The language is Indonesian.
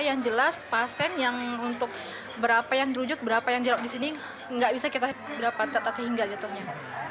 yang jelas pasien yang untuk berapa yang dirujuk berapa yang dirup di sini nggak bisa kita berapa hingga jatuhnya